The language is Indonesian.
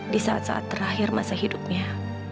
di saat saat terakhir masa hidupnya